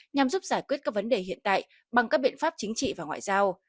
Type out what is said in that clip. nhằm giúp giải quyết các vấn đề hiện tại bằng các biện pháp chính trị và ngoại giao